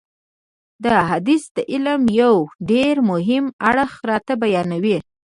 دا حدیث د علم یو ډېر مهم اړخ راته بیانوي.